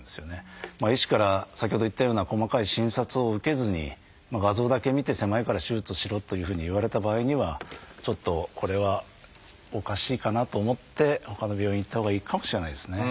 医師から先ほど言ったような細かい診察を受けずに画像だけ見て狭いから手術をしろというふうに言われた場合にはちょっとこれはおかしいかなと思ってほかの病院へ行ったほうがいいかもしれないですね。